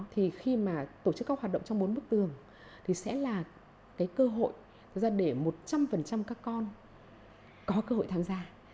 thì khi mà tổ chức các hoạt động trong bốn bức tường thì sẽ là cái cơ hội ra để một trăm linh các con có cơ hội tham gia